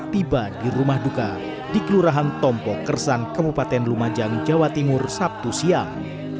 tiba di rumah duka di kelurahan tompo kersan kabupaten lumajang jawa timur sabtu siang